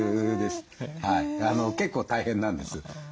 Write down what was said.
結構大変なんです。